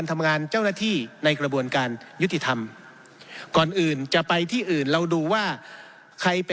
คณะกรรมนิการกฎหมายกระบวนการยุทธิธรรมและกิจการตำรวจ